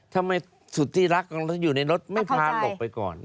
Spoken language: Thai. ทำไมสุทธิรักในรถไม่พารกไปก่อนโอเคค่ะ